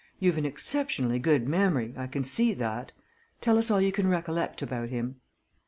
You've an exceptionally good memory I can see that. Tell us all you can recollect about him."